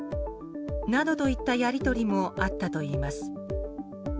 などといったやり取りもあったといいます。